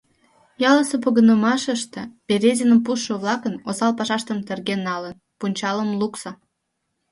Ялысе погынымашыште, Березиным пуштшо-влакын осал пашаштым терген налын, пунчалым лукса.